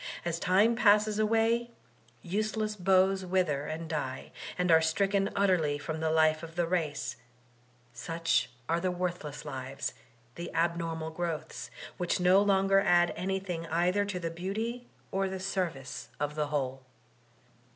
As time passes away useless boughs wither and die, and are stricken utterly from the life of the race; such are the worthless lives, the abnormal growths, which no longer add anything eitfier to the beauty or die service of the whole.